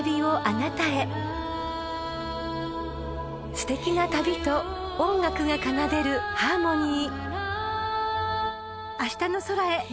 ［すてきな旅と音楽が奏でるハーモニー］